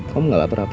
kamu gak lapar apa